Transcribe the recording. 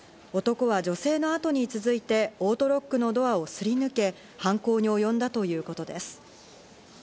男は女性のあとに続いてオートロックのドアをすり抜け、犯行におよんだということです。